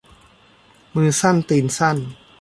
มือสั้นตีนสั้น